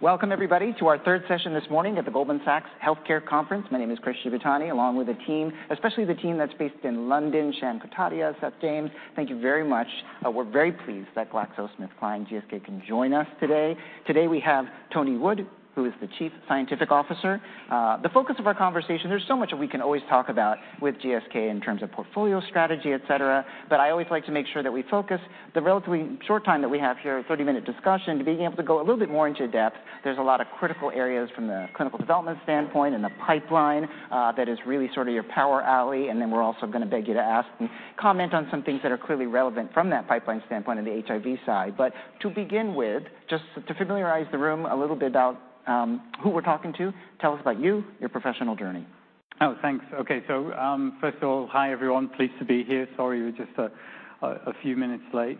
Welcome, everybody, to our third session this morning at the Goldman Sachs Healthcare Conference. My name is Chris Shibutani, along with the team, especially the team that's based in London, Salim Syed, James Hobson. Thank you very much. We're very pleased that GlaxoSmithKline, GSK, can join us today. Today, we have Tony Wood, who is the Chief Scientific Officer. The focus of our conversation, there's so much that we can always talk about with GSK in terms of portfolio strategy, et cetera, but I always like to make sure that we focus the relatively short time that we have here, a 30-minute discussion, to being able to go a little bit more into depth. There's a lot of critical areas from the clinical development standpoint and the pipeline, that is really sort of your power alley, and then we're also gonna beg you to ask and comment on some things that are clearly relevant from that pipeline standpoint on the HIV side. To begin with, just to familiarize the room a little bit about, who we're talking to, tell us about you, your professional journey. Oh, thanks. Okay, first of all, hi, everyone. Pleased to be here. Sorry, we're just a few minutes late.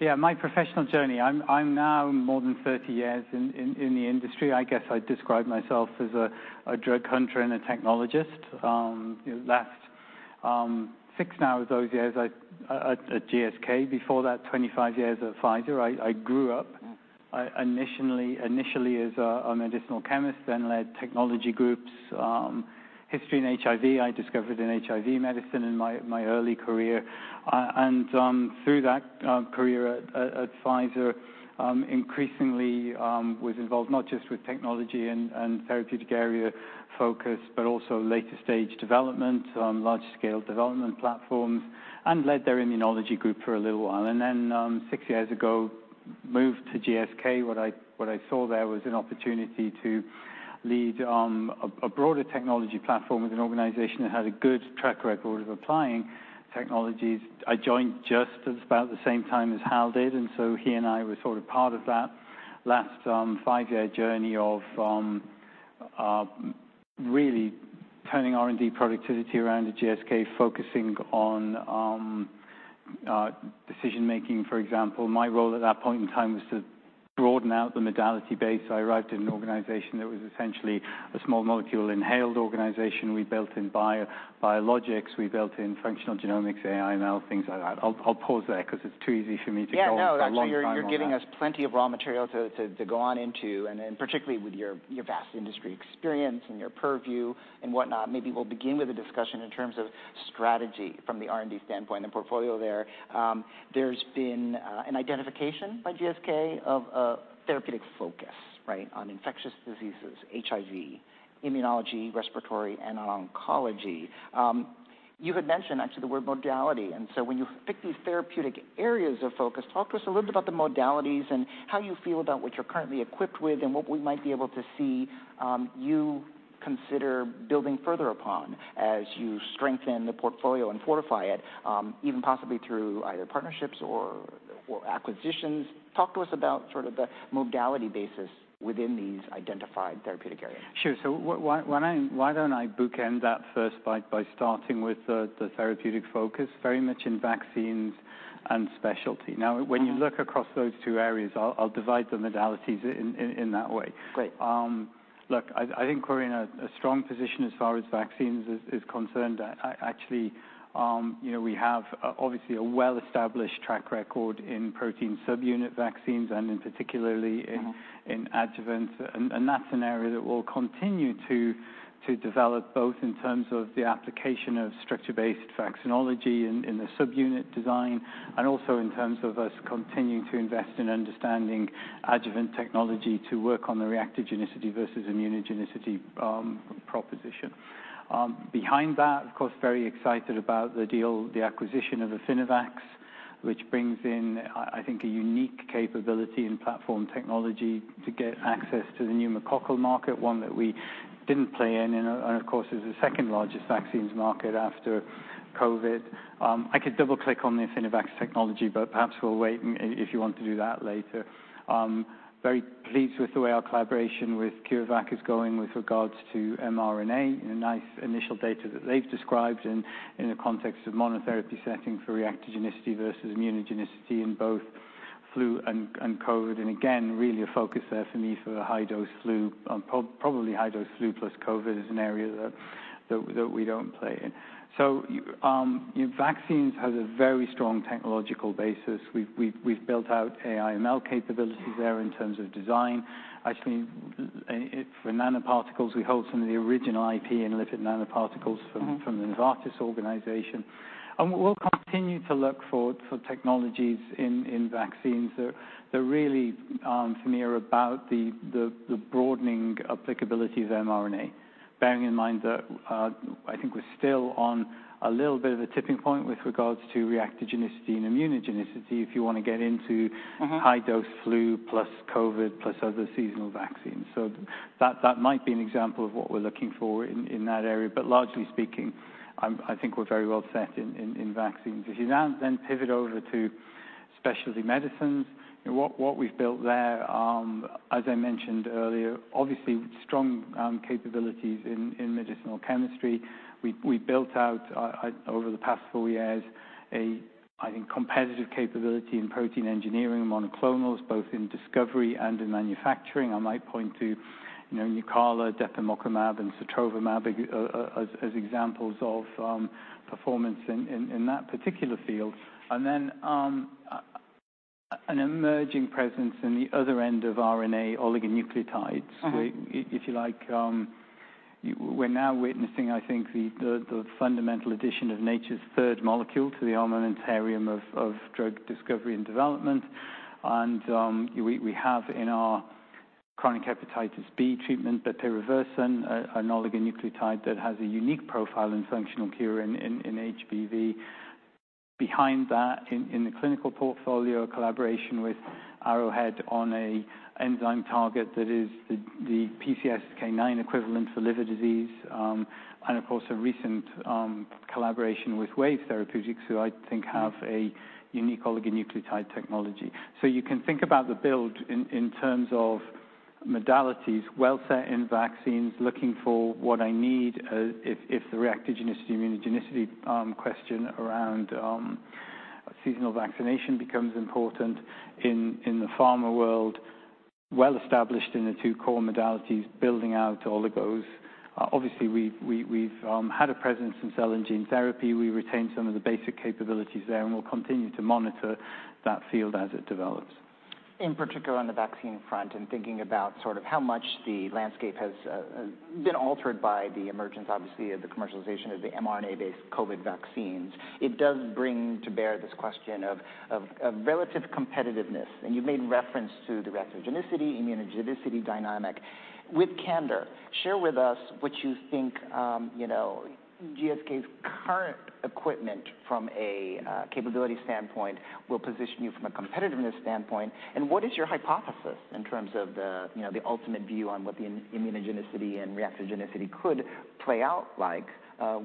Yeah, my professional journey, I'm now more than 30 years in the industry. I guess I'd describe myself as a drug hunter and a technologist. Last, 6 now of those years at GSK. Before that, 25 years at Pfizer. I grew up, initially as a medicinal chemist, then led technology groups. History in HIV, I discovered in HIV medicine in my early career. Through that career at Pfizer, increasingly was involved not just with technology and therapeutic area focus, but also later-stage development, large-scale development platforms, and led their immunology group for a little while. Six years ago, moved to GSK. What I saw there was an opportunity to lead a broader technology platform with an organization that had a good track record of applying technologies. I joined just about the same time as Hal did, and so he and I were sort of part of that last five-year journey of really turning R&D productivity around at GSK, focusing on decision-making. For example, my role at that point in time was to broaden out the modality base. I arrived at an organization that was essentially a small molecule inhaled organization. We built in biologics. We built in functional genomics, AI, ML, things like that. I'll pause there because it's too easy for me to go on a long time on that. Yeah, no, actually, you're giving us plenty of raw material to go on into, and then particularly with your vast industry experience and your purview and whatnot. Maybe we'll begin with a discussion in terms of strategy from the R&D standpoint and the portfolio there. There's been an identification by GSK of a therapeutic focus, right? On infectious diseases, HIV, immunology, respiratory, and on oncology. You had mentioned actually the word modality, when you pick these therapeutic areas of focus, talk to us a little bit about the modalities and how you feel about what you're currently equipped with, and what we might be able to see, you consider building further upon as you strengthen the portfolio and fortify it, even possibly through either partnerships or acquisitions. Talk to us about sort of the modality basis within these identified therapeutic areas. Sure. Why don't I bookend that first by starting with the therapeutic focus, very much in vaccines and specialty? Uh-huh. When you look across those two areas, I'll divide the modalities in that way. Great. Look, I think we're in a strong position as far as vaccines is concerned. I, actually, you know, we have obviously a well-established track record in protein subunit vaccines and in particularly. Mm-hmm... in adjuvants, and that's an area that we'll continue to develop, both in terms of the application of structure-based vaccinology in the subunit design, and also in terms of us continuing to invest in understanding adjuvant technology to work on the reactogenicity versus immunogenicity proposition. Behind that, of course, very excited about the deal, the acquisition of Affinivax, which brings in, I think, a unique capability in platform technology to get access to the pneumococcal market, one that we didn't play in, and of course, is the second largest vaccines market after COVID. I could double-click on the Affinivax technology, but perhaps we'll wait if you want to do that later. Very pleased with the way our collaboration with CureVac is going with regards to mRNA, the nice initial data that they've described in the context of monotherapy settings for reactogenicity versus immunogenicity in both flu and COVID. Again, really a focus there for me for the high-dose flu, probably high-dose flu plus COVID is an area that we don't play in. Vaccines has a very strong technological basis. We've built out AI, ML capabilities there in terms of design. Actually, for nanoparticles, we hold some of the original IP in lipid nanoparticles. Mm-hmm... from the Novartis organization. We'll continue to look for technologies in vaccines that are really familiar about the broadening applicability of mRNA. Bearing in mind that, I think we're still on a little bit of a tipping point with regards to reactogenicity and immunogenicity, if you want to get into... Mm-hmm... high-dose flu, plus COVID, plus other seasonal vaccines. That, that might be an example of what we're looking for in that area, but largely speaking, I think we're very well set in vaccines. If you now pivot over to specialty medicines, what we've built there, as I mentioned earlier, obviously strong capabilities in medicinal chemistry. We built out over the past four years, I think, competitive capability in protein engineering and monoclonals, both in discovery and in manufacturing. I might point to, you know, Nucala, Benlysta, and sotrovimab as examples of performance in that particular field. Then an emerging presence in the other end of RNA oligonucleotides. Mm-hmm. Where, if you like, we're now witnessing, I think, the fundamental addition of nature's third molecule to the armamentarium of drug discovery and development. We have in our chronic hepatitis B treatment, but they reverse an oligonucleotide that has a unique profile and functional cure in HBV. Behind that, in the clinical portfolio, a collaboration with Arrowhead on a enzyme target that is the PCSK9 equivalent for liver disease. Of course, a recent collaboration with Wave Life Sciences, who I think have a unique oligonucleotide technology. You can think about the build in terms of modalities, well set in vaccines, looking for what I need, if the reactogenicity, immunogenicity, question around seasonal vaccination becomes important in the pharma world. Well-established in the 2 core modalities, building out oligos. obviously, we've had a presence in cell and gene therapy. We retained some of the basic capabilities there, and we'll continue to monitor that field as it develops. In particular, on the vaccine front, thinking about sort of how much the landscape has been altered by the emergence, obviously, of the commercialization of the mRNA-based COVID vaccines, it does bring to bear this question of relative competitiveness. You've made reference to the reactogenicity, immunogenicity dynamic. With candor, share with us what you think, you know, GSK's current equipment from a capability standpoint will position you from a competitiveness standpoint, and what is your hypothesis in terms of the, you know, the ultimate view on what the immunogenicity and reactogenicity could play out like,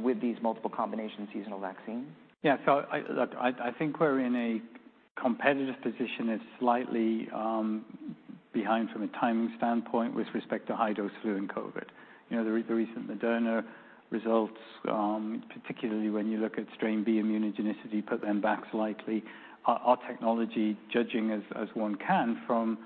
with these multiple combination seasonal vaccines? I think we're in a competitive position that's slightly behind from a timing standpoint with respect to high-dose flu and COVID. You know, the recent Moderna results, particularly when you look at strain B immunogenicity, put them back slightly. Our technology, judging as one can from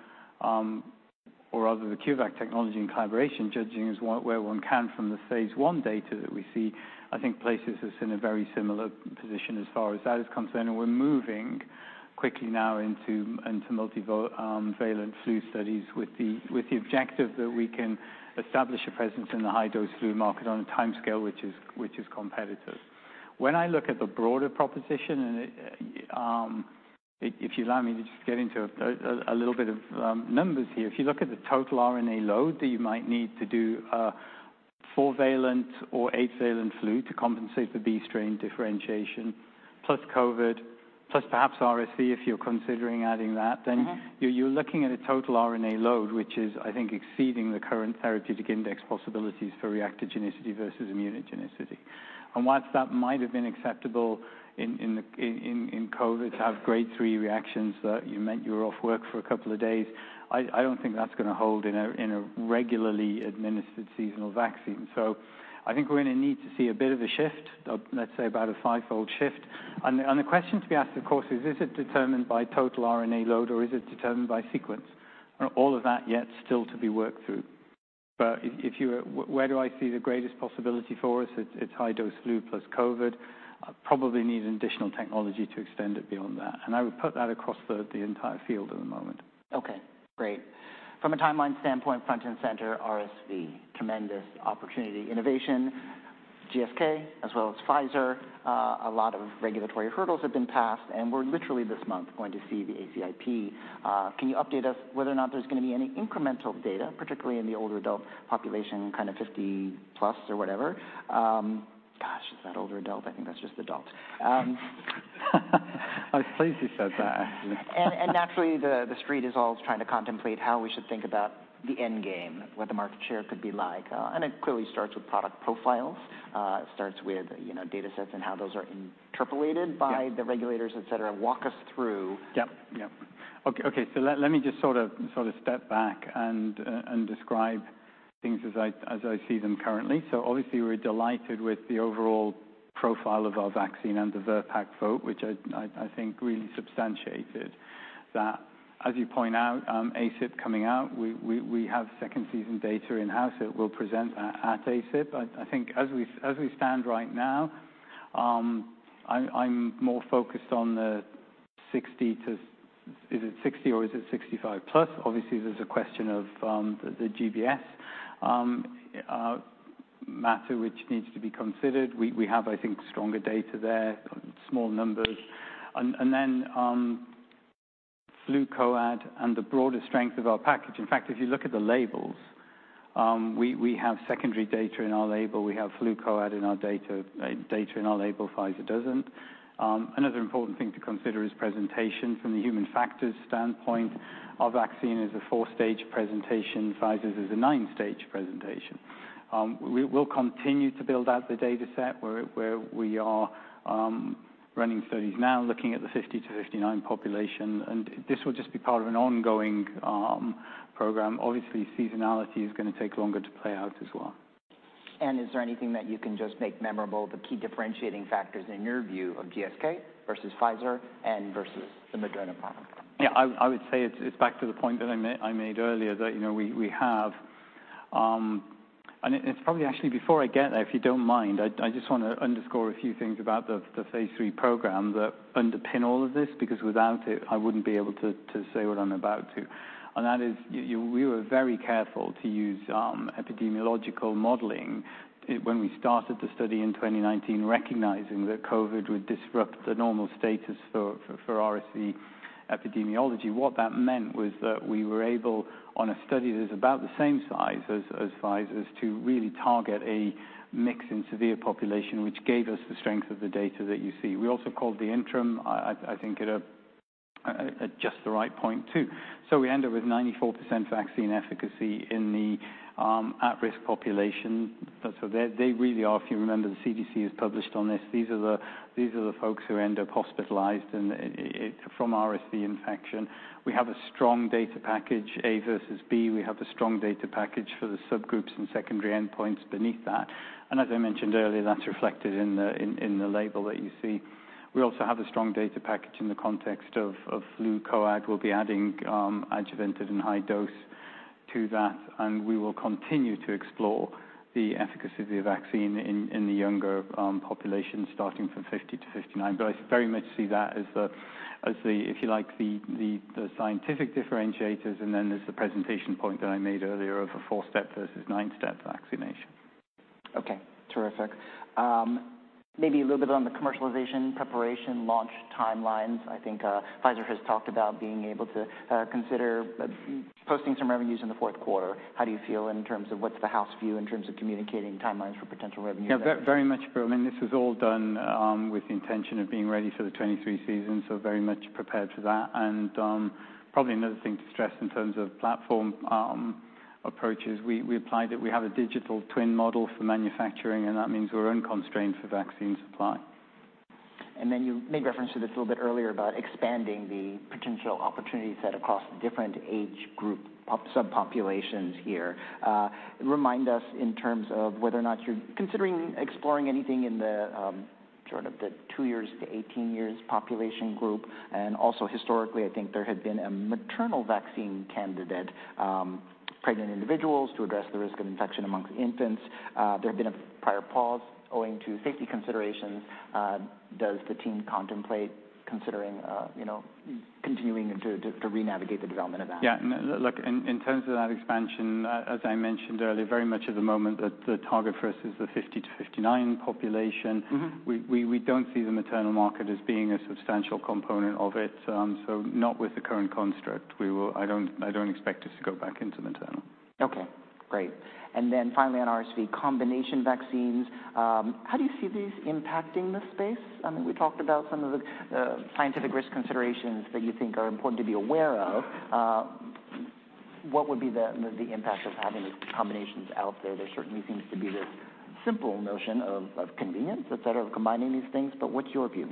or rather the Q-VAX technology in collaboration, judging as where one can from the phase 1 data that we see, I think, places us in a very similar position as far as that is concerned. We're moving quickly now into multi-valent flu studies with the objective that we can establish a presence in the high-dose flu market on a timescale, which is competitive. When I look at the broader proposition, and it, if you allow me to just get into a little bit of numbers here. If you look at the total RNA load that you might need to do a four-valent or eight-valent flu to compensate for B strain differentiation, plus COVID, plus perhaps RSV, if you're considering adding that- Mm-hmm. You're looking at a total RNA load, which is, I think, exceeding the current therapeutic index possibilities for reactogenicity versus immunogenicity. Whilst that might have been acceptable in the COVID to have grade 3 reactions that you meant you were off work for a couple of days, I don't think that's going to hold in a regularly administered seasonal vaccine. I think we're going to need to see a bit of a shift, let's say about a 5-fold shift. The question to be asked, of course, is: Is it determined by total RNA load, or is it determined by sequence? All of that yet still to be worked through. If you were... Where do I see the greatest possibility for us? It's high-dose flu plus COVID. I probably need additional technology to extend it beyond that. I would put that across the entire field at the moment. Okay, great. From a timeline standpoint, front and center, RSV, tremendous opportunity, innovation, GSK, as well as Pfizer. A lot of regulatory hurdles have been passed, and we're literally this month going to see the ACIP. Can you update us whether or not there's going to be any incremental data, particularly in the older adult population, kind of 50+ or whatever? Gosh, is that older adult? I think that's just adult. I was pleased you said that, actually. Naturally, the Street is always trying to contemplate how we should think about the end game, what the market share could be like. It clearly starts with product profiles. It starts with, you know, data sets and how those are interpolated. Yeah -by the regulators, et cetera. Walk us through. Yep. Okay, let me just sort of step back and describe things as I see them currently. Obviously, we're delighted with the overall profile of our vaccine and the VRBPAC vote, which I think really substantiated that. As you point out, ACIP coming out, we have second season data in-house that we'll present at ACIP. I think as we stand right now, I'm more focused on the 60 to... Is it 60 or is it 65 plus? Obviously, there's a question of the GBS matter, which needs to be considered. We have, I think, stronger data there, small numbers. Then, Flucoad and the broader strength of our package. In fact, if you look at the labels, we have secondary data in our label. We have Fluarix in our data in our label. Pfizer doesn't. Another important thing to consider is presentation. From the human factors standpoint, our vaccine is a four-stage presentation. Pfizer's is a nine-stage presentation. We'll continue to build out the dataset, where we are running studies now, looking at the 50 to 59 population, and this will just be part of an ongoing program. Obviously, seasonality is going to take longer to play out as well. Is there anything that you can just make memorable, the key differentiating factors in your view of GSK versus Pfizer and versus the Moderna product? Yeah, I would say it's back to the point that I made earlier, that, you know, we have-... It's probably actually, before I get there, if you don't mind, I just wanna underscore a few things about the phase III program that underpin all of this, because without it, I wouldn't be able to say what I'm about to. That is, you-- we were very careful to use epidemiological modeling when we started the study in 2019, recognizing that COVID would disrupt the normal status for RSV epidemiology. What that meant was that we were able, on a study that is about the same size as Pfizer's, to really target a mixed and severe population, which gave us the strength of the data that you see. We also called the interim, I think, at just the right point, too. We end up with 94% vaccine efficacy in the at-risk population. They really are... If you remember, the CDC has published on this. These are the folks who end up hospitalized and from RSV infection. We have a strong data package, A versus B. We have a strong data package for the subgroups and secondary endpoints beneath that. As I mentioned earlier, that's reflected in the label that you see. We also have a strong data package in the context of flu coag. We'll be adding adjuvanted and high dose to that, and we will continue to explore the efficacy of the vaccine in the younger population, starting from 50 to 59. I very much see that as the, if you like, the scientific differentiators, and then there's the presentation point that I made earlier of a four-step versus nine-step vaccination. Okay, terrific. Maybe a little bit on the commercialization preparation launch timelines. I think, Pfizer has talked about being able to, consider, posting some revenues in the fourth quarter. How do you feel in terms of what's the house view, in terms of communicating timelines for potential revenue? Yeah, very much, Bill. I mean, this was all done with the intention of being ready for the 2023 season, so very much prepared for that. Probably another thing to stress in terms of platform approaches, we applied it. We have a digital twin model for manufacturing, and that means we're unconstrained for vaccine supply. You made reference to this a little bit earlier about expanding the potential opportunity set across different age group subpopulations here. Remind us, in terms of whether or not you're considering exploring anything in the sort of the 2 years to 18 years population group? Historically, I think there had been a maternal vaccine candidate, pregnant individuals, to address the risk of infection amongst infants. There had been a prior pause owing to safety considerations. Does the team contemplate considering, you know, continuing to renavigate the development of that? Yeah. No, look, in terms of that expansion, as I mentioned earlier, very much at the moment, the target for us is the 50-59 population. Mm-hmm. We don't see the maternal market as being a substantial component of it, so not with the current construct. I don't expect us to go back into maternal. Okay, great. Finally, on RSV combination vaccines, how do you see these impacting the space? I mean, we talked about some of the scientific risk considerations that you think are important to be aware of. What would be the impact of having these combinations out there? There certainly seems to be this simple notion of convenience instead of combining these things, what's your view?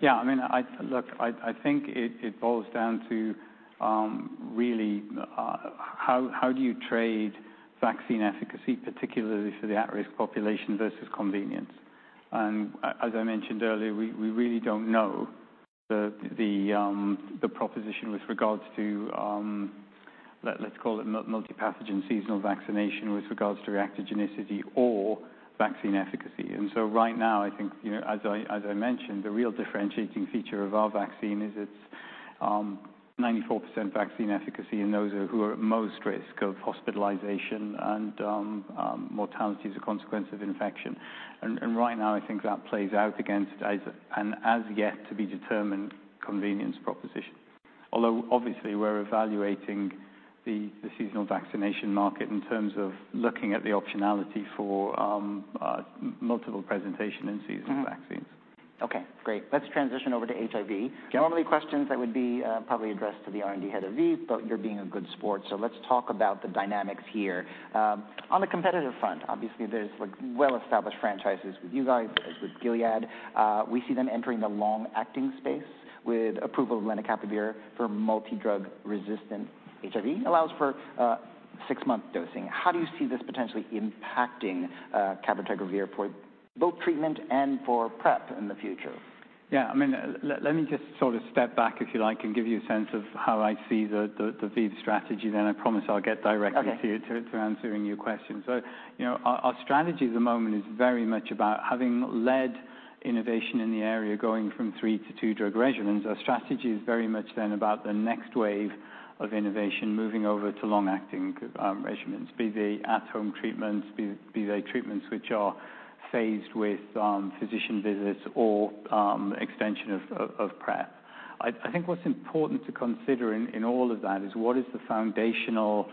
Yeah, I mean, look, I think it boils down to really how do you trade vaccine efficacy, particularly for the at-risk population, versus convenience? As I mentioned earlier, we really don't know the proposition with regards to let's call it multipathogen seasonal vaccination with regards to reactogenicity or vaccine efficacy. Right now, I think, you know, as I mentioned, the real differentiating feature of our vaccine is its 94% vaccine efficacy in those who are at most risk of hospitalization and mortality as a consequence of infection. Right now, I think that plays out against an as-yet-to-be-determined convenience proposition. Although, obviously, we're evaluating the seasonal vaccination market in terms of looking at the optionality for multiple presentation in seasonal vaccines. Mm-hmm. Okay, great. Let's transition over to HIV. Sure. Normally, questions that would be probably addressed to the R&D head of ViiV, but you're being a good sport, so let's talk about the dynamics here. On the competitive front, obviously there's, like, well-established franchises with you guys, as with Gilead. We see them entering the long-acting space with approval of lenacapavir for multi-drug-resistant HIV, allows for six-month dosing. How do you see this potentially impacting cabotegravir for both treatment and for PrEP in the future? Yeah, I mean, let me just sort of step back, if you like, and give you a sense of how I see the, the ViiV strategy. I promise I'll get. Okay... to answering your question. you know, our strategy at the moment is very much about having led innovation in the area, going from 3 to 2-drug regimens. Our strategy is very much then about the next wave of innovation, moving over to long-acting regimens, be they at-home treatments, be they treatments which are phased with physician visits or extension of PrEP. I think what's important to consider in all of that is, what is the foundational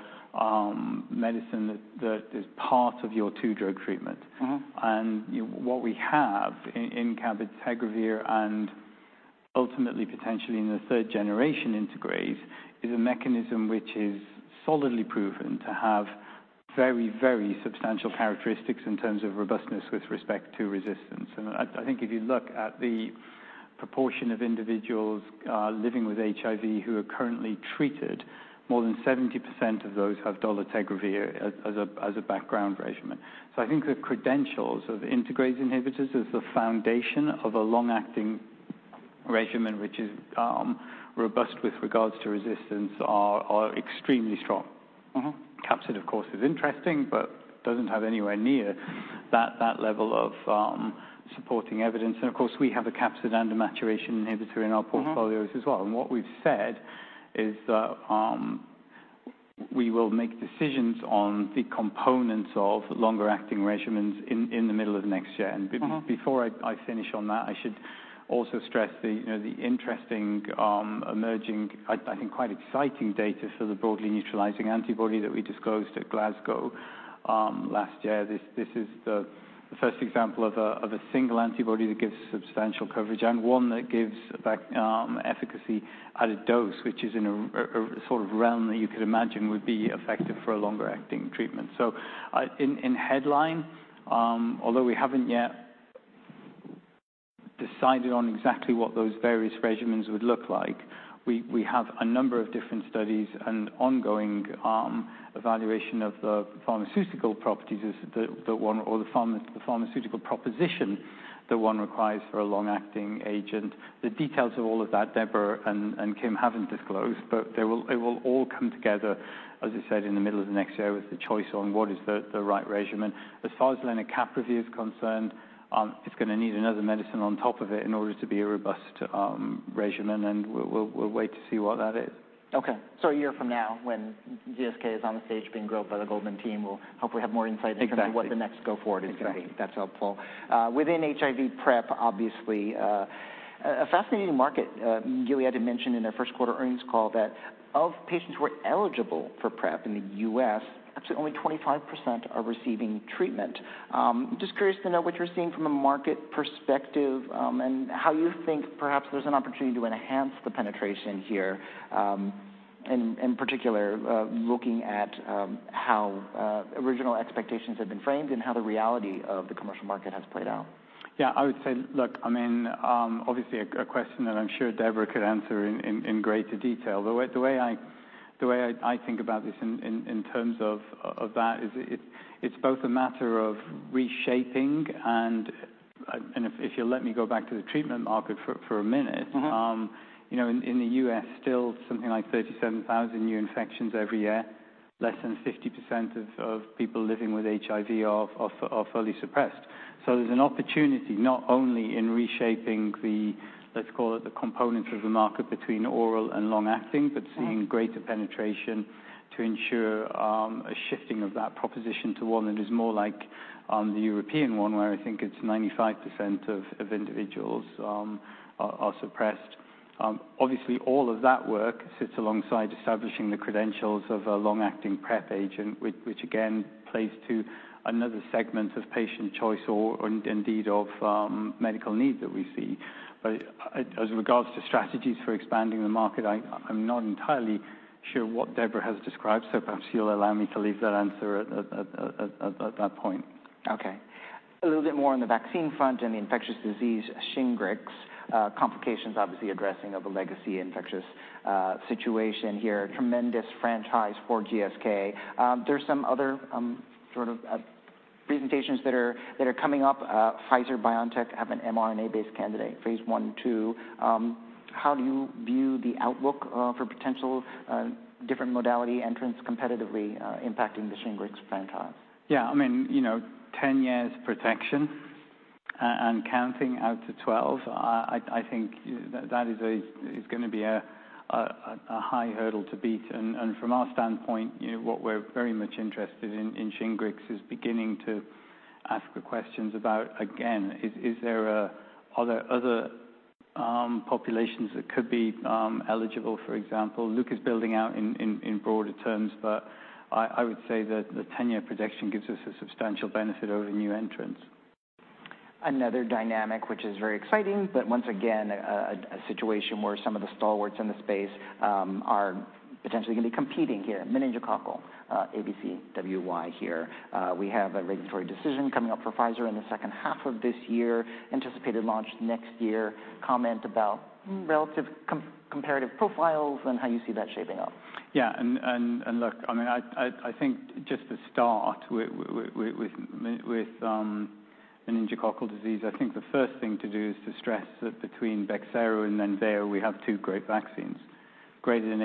medicine that is part of your 2-drug treatment? Mm-hmm. You, what we have in cabotegravir, and ultimately, potentially in the third generation integrase, is a mechanism which is solidly proven to have very, very substantial characteristics in terms of robustness with respect to resistance. I think if you look at the proportion of individuals living with HIV who are currently treated, more than 70% of those have dolutegravir as a background regimen. I think the credentials of integrase inhibitors as the foundation of a long-acting regimen, which is robust with regards to resistance are extremely strong. Mm-hmm. Capsid, of course, is interesting, but doesn't have anywhere near that level of supporting evidence. Of course, we have a capsid and a maturation inhibitor in our portfolios. Mm-hmm. as well. What we've said is that we will make decisions on the components of longer-acting regimens in the middle of next year. Mm-hmm. Before I finish on that, I should also stress the, you know, the interesting, emerging, I think, quite exciting data for the broadly neutralizing antibody that we disclosed at Glasgow last year. This is the first example of a single antibody that gives substantial coverage, and one that gives efficacy at a dose, which is in a sort of realm that you could imagine would be effective for a longer-acting treatment. In headline, although we haven't yet decided on exactly what those various regimens would look like, we have a number of different studies and ongoing evaluation of the pharmaceutical properties as the one or the pharmaceutical proposition that one requires for a long-acting agent. The details of all of that, Deborah and Kim haven't disclosed, it will all come together, as I said, in the middle of the next year, with the choice on what is the right regimen. As far as lenacapavir is concerned, it's gonna need another medicine on top of it in order to be a robust regimen, and we'll wait to see what that is. A year from now, when GSK is on the stage being grilled by the Goldman team, we'll hopefully have more insight. Exactly into what the next go forward is gonna be. Exactly. That's helpful. Within HIV PrEP, obviously, a fascinating market. Gilead had mentioned in their first quarter earnings call, that of patients who are eligible for PrEP in the US, actually only 25% are receiving treatment. Just curious to know what you're seeing from a market perspective, and how you think perhaps there's an opportunity to enhance the penetration here, in particular, looking at how original expectations have been framed, and how the reality of the commercial market has played out? Yeah, I would say. Look, I mean, obviously a question that I'm sure Deborah could answer in greater detail. The way I think about this in terms of that, is it's both a matter of reshaping and if you'll let me go back to the treatment market for a minute... Mm-hmm... you know, in the US, still something like 37,000 new infections every year, less than 50% of people living with HIV are fully suppressed. There's an opportunity, not only in reshaping the, let's call it, the components of the market between oral and long-acting... Mm-hmm... seeing greater penetration to ensure, a shifting of that proposition to one that is more like, the European one, where I think it's 95% of individuals, are suppressed. Obviously, all of that work sits alongside establishing the credentials of a long-acting PrEP agent, which again, plays to another segment of patient choice or, and indeed of, medical need that we see. As regards to strategies for expanding the market, I'm not entirely sure what Deborah has described, so perhaps you'll allow me to leave that answer at that point. Okay. A little bit more on the vaccine front and the infectious disease, Shingrix, complications obviously addressing of a legacy infectious situation here, tremendous franchise for GSK. There's some other sort of presentations that are coming up. Pfizer-BioNTech have an mRNA-based candidate, phase I, II. How do you view the outlook for potential different modality entrants competitively impacting the Shingrix franchise? Yeah, I mean, you know, 10 years protection and counting out to 12, I think that is gonna be a high hurdle to beat. From our standpoint, you know, what we're very much interested in Shingrix, is beginning to ask the questions about, again, is there, are there other populations that could be eligible, for example? Luke is building out in broader terms, but I would say that the 10-year projection gives us a substantial benefit over new entrants. Another dynamic, which is very exciting, but once again, a situation where some of the stalwarts in the space are potentially going to be competing here. Meningococcal ABCWY here. We have a regulatory decision coming up for Pfizer in the second half of this year, anticipated launch next year. Comment about relative comparative profiles and how you see that shaping up. Yeah, I mean, I think just to start with meningococcal disease, I think the first thing to do is to stress that between Bexsero and Nimenrix, we have two great vaccines, greater than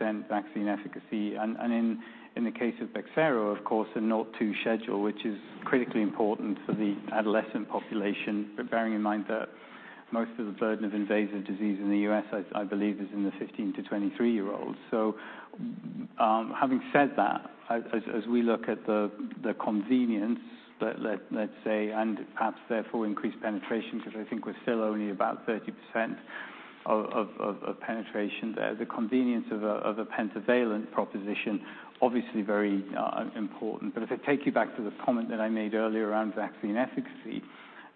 80% vaccine efficacy. In the case of Bexsero, of course, a 0-2 schedule, which is critically important for the adolescent population. Bearing in mind that most of the burden of invasive disease in the U.S., I believe, is in the 15 to 23-year-olds. Having said that, as we look at the convenience, let's say, and perhaps therefore increased penetration, because I think we're still only about 30% of penetration there, the convenience of a pentavalent proposition, obviously very important. If I take you back to the comment that I made earlier around vaccine efficacy.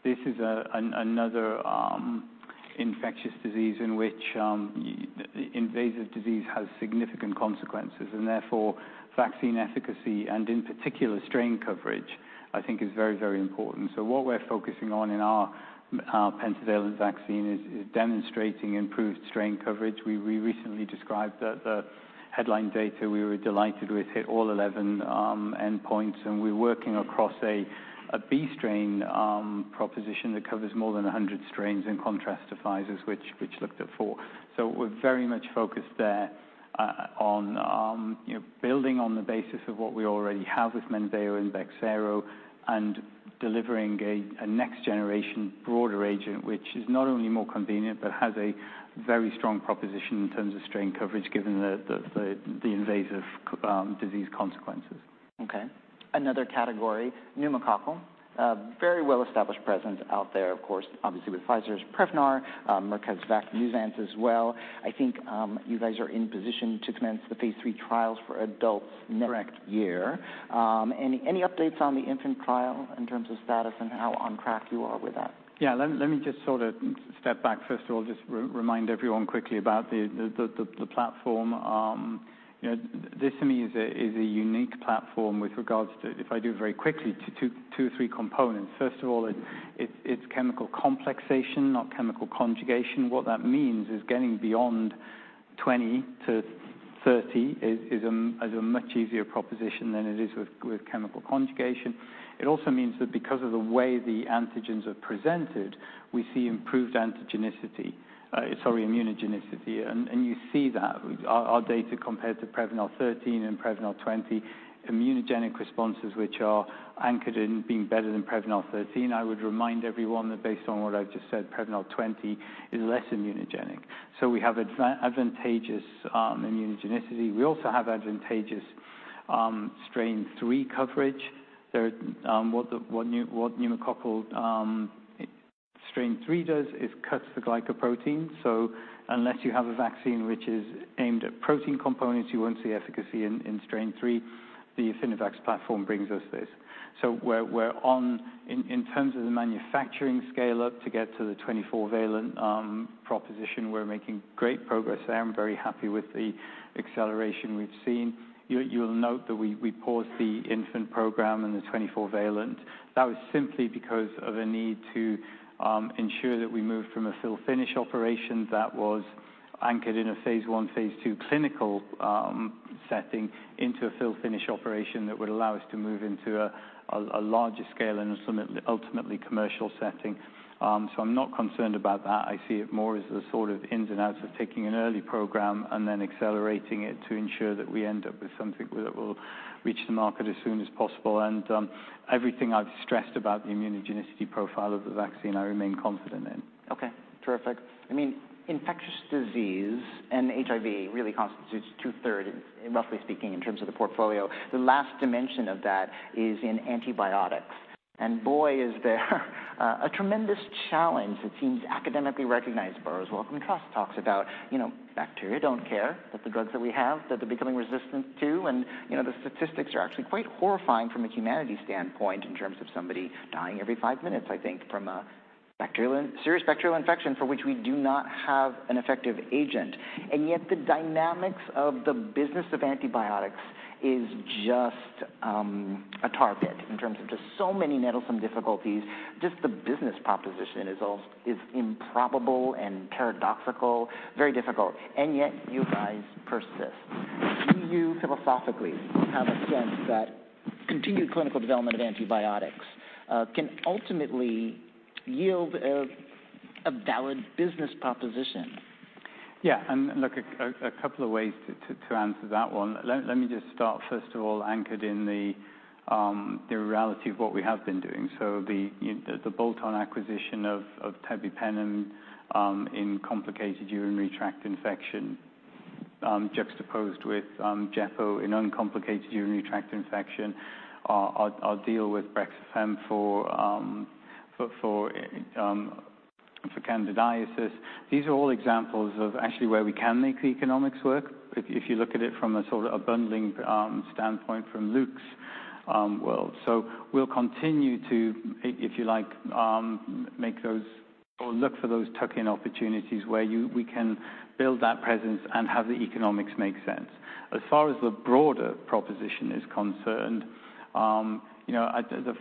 This is another infectious disease in which the invasive disease has significant consequences, and therefore, vaccine efficacy, and in particular, strain coverage, I think is very, very important. What we're focusing on in our pentavalent vaccine is demonstrating improved strain coverage. We recently described the headline data. We were delighted with hit all 11 endpoints, and we're working across a B strain proposition that covers more than 100 strains, in contrast to Pfizer's, which looked at four. We're very much focused there, on, you know, building on the basis of what we already have with Menveo and Bexsero, and delivering a next generation, broader agent, which is not only more convenient, but has a very strong proposition in terms of strain coverage, given the invasive disease consequences. Okay. Another category, pneumococcal. A very well-established presence out there, of course, obviously with Pfizer's Prevnar, Merck has Capvaxive as well. I think, you guys are in position to commence the phase 3 trials for adults. Correct next year. Any updates on the infant trial in terms of status and how on track you are with that? Yeah, let me just sort of step back. First of all, just remind everyone quickly about the platform. you know, this to me is a unique platform with regards to, if I do it very quickly, to 2 or 3 components. First of all, it's chemical complexation, not chemical conjugation. What that means is getting beyond 20 to 30 is a much easier proposition than it is with chemical conjugation. It also means that because of the way the antigens are presented, we see improved immunogenicity, and you see that. Our data compared to Prevnar 13 and Prevnar 20 immunogenic responses, which are anchored in being better than Prevnar 13. I would remind everyone that based on what I've just said, Prevnar 20 is less immunogenic. We have advantageous immunogenicity. We also have advantageous strain three coverage. There, what the pneumococcal strain three does is cuts the glycoprotein. Unless you have a vaccine which is aimed at protein components, you won't see efficacy in strain three. The Affinivax platform brings us this. In terms of the manufacturing scale-up to get to the 24-valent proposition, we're making great progress there. I'm very happy with the acceleration we've seen. You'll note that we paused the infant program and the 24-valent. That was simply because of a need to ensure that we moved from a fill-finish operation that was anchored in a phase I, phase II clinical setting, into a fill-finish operation that would allow us to move into a larger scale and ultimately commercial setting. I'm not concerned about that. I see it more as the sort of ins and outs of taking an early program and then accelerating it to ensure that we end up with something that will reach the market as soon as possible, and everything I've stressed about the immunogenicity profile of the vaccine, I remain confident in. Okay, terrific. I mean, infectious disease and HIV really constitutes two-third, roughly speaking, in terms of the portfolio. The last dimension of that is in antibiotics, boy, is there a tremendous challenge. It seems academically recognized, Burroughs Wellcome Fund talks about, you know, bacteria don't care, that the drugs that we have, that they're becoming resistant to. You know, the statistics are actually quite horrifying from a humanity standpoint in terms of somebody dying every five minutes, I think, from a serious bacterial infection, for which we do not have an effective agent. Yet the dynamics of the business of antibiotics is just a tar pit in terms of just so many nettlesome difficulties. Just the business proposition is improbable and paradoxical, very difficult, and yet you guys persist. Do you philosophically have a sense that continued clinical development of antibiotics can ultimately yield a valid business proposition? Yeah, and look, a couple of ways to answer that one. Let me just start, first of all, anchored in the reality of what we have been doing. The bolt-on acquisition of teicoplanin in complicated urinary tract infection, juxtaposed with gepotidacin in uncomplicated urinary tract infection, our deal with Brexafemme for candidiasis. These are all examples of actually where we can make the economics work, if you look at it from a sort of a bundling standpoint from Luke's world. We'll continue to, if you like, make those or look for those tuck-in opportunities where we can build that presence and have the economics make sense. As far as the broader proposition is concerned, you know,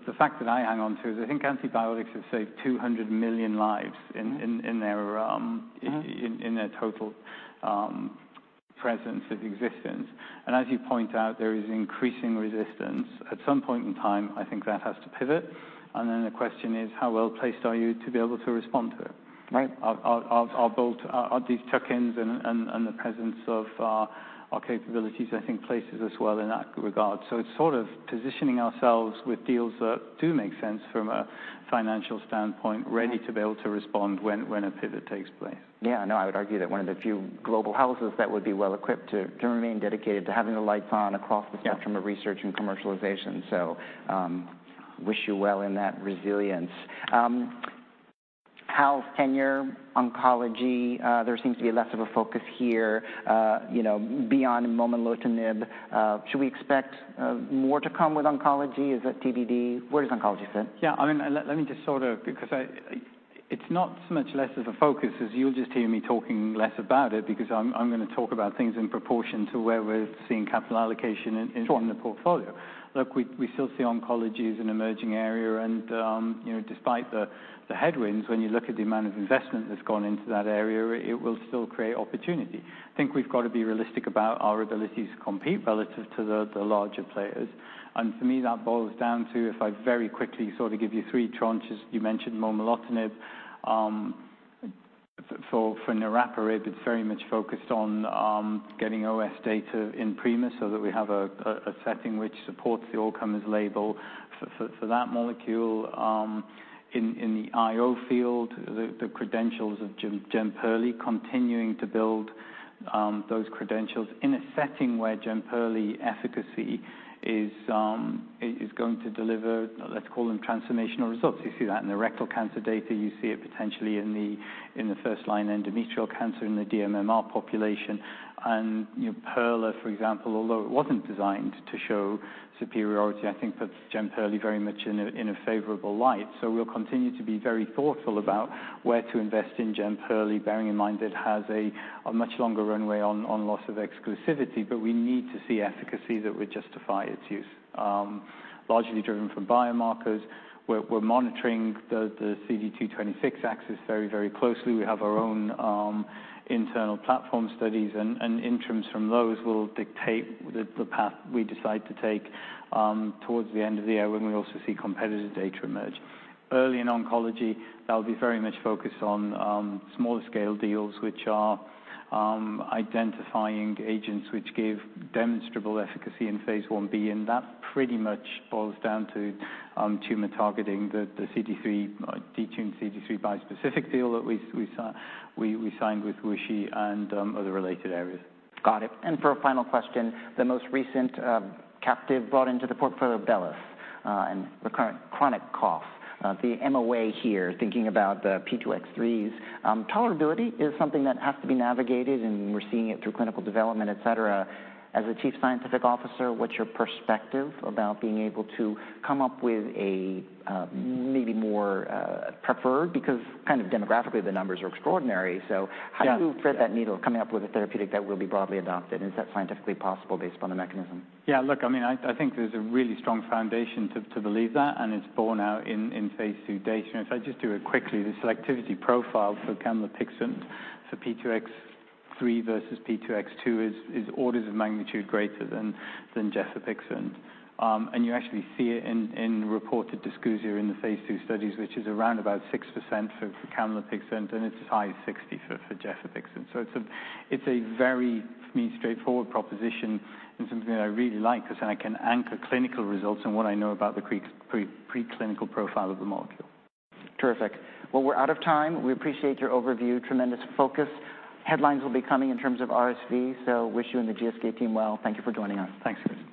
the fact that I hang on to is I think antibiotics have saved 200 million lives. Mm-hmm... in their Mm-hmm... in their total presence of existence. As you point out, there is increasing resistance. At some point in time, I think that has to pivot, and then the question is, how well-placed are you to be able to respond to it? Right. Our bolt, these tuck-ins and the presence of our capabilities, I think, places us well in that regard. It's sort of positioning ourselves with deals that do make sense from a financial standpoint, ready to be able to respond when a pivot takes place. Yeah, no, I would argue that one of the few global houses that would be well equipped to remain dedicated to having the lights on across- Yeah... the spectrum of research and commercialization. wish you well in that resilience. How's tenure oncology? There seems to be less of a focus here, you know, beyond momelotinib. Should we expect more to come with oncology? Is that TDD? Where does oncology fit? Yeah, I mean, let me just sort of, because it's not so much less of a focus as you'll just hear me talking less about it, because I'm gonna talk about things in proportion to where we're seeing capital allocation. Sure In the portfolio. Look, we still see oncology as an emerging area, and, you know, despite the headwinds, when you look at the amount of investment that's gone into that area, it will still create opportunity. I think we've got to be realistic about our abilities to compete relative to the larger players. For me, that boils down to, if I very quickly sort of give you three tranches, you mentioned momelotinib. For niraparib, it's very much focused on getting OS data in Primus so that we have a setting which supports the outcome as label for that molecule. In the IO field, the credentials of gemcitabine continuing to build those credentials in a setting where gemcitabine efficacy is going to deliver, let's call them transformational results. You see that in the rectal cancer data. You see it potentially in the, in the first line, endometrial cancer in the dMMR population. You know, PERLA, for example, although it wasn't designed to show superiority, I think that's gemcitabine very much in a, in a favorable light. We'll continue to be very thoughtful about where to invest in gemcitabine, bearing in mind it has a much longer runway on loss of exclusivity, but we need to see efficacy that would justify its use. Largely driven from biomarkers, we're monitoring the CD226 axis very, very closely. We have our own internal platform studies, and interims from those will dictate the path we decide to take towards the end of the year, when we also see competitive data emerge. Early in oncology, that will be very much focused on, smaller scale deals, which are, identifying agents which give demonstrable efficacy in Phase Ib. That pretty much boils down to tumor targeting the CD3, detuned CD3 bispecific deal that we signed with Hansoh and other related areas. Got it. For a final question, the most recent captive brought into the portfolio, Bellus, and recurrent chronic cough. The MOA here, thinking about the P2X3s, tolerability is something that has to be navigated, and we're seeing it through clinical development, et cetera. As a chief scientific officer, what's your perspective about being able to come up with a maybe more preferred, because kind of demographically, the numbers are extraordinary? Yeah... how do you thread that needle, coming up with a therapeutic that will be broadly adopted, and is that scientifically possible based on the mechanism? Yeah, look, I mean, I think there's a really strong foundation to believe that, and it's borne out in phase II data. If I just do it quickly, the selectivity profile for camlipixant, so P2X3 versus P2X2, is orders of magnitude greater than gefapixant. You actually see it in reported dysgeusia in the phase II studies, which is around about 6% for camlipixant, and it's as high as 60% for gefapixant. It's a very, for me, straightforward proposition and something that I really like, because then I can anchor clinical results and what I know about the preclinical profile of the molecule. Terrific. Well, we're out of time. We appreciate your overview. Tremendous focus. Headlines will be coming in terms of RSV. Wish you and the GSK team well. Thank you for joining us. Thanks.